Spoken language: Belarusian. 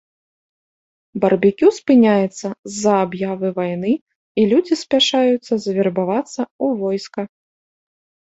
Барбекю спыняецца з-за аб'явы вайны, і людзі спяшаюцца завербавацца ў войска.